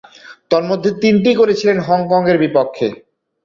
তন্মধ্যে, তিনটিই করেছিলেন হংকংয়ের বিপক্ষে।